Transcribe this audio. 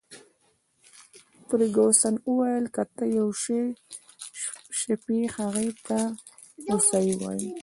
فرګوسن وویل: که ته یو څو شپې هغې ته د هوسایۍ وواېې.